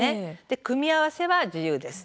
組み合わせは自由です。